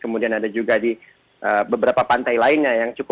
kemudian ada juga di beberapa pantai lainnya yang cukup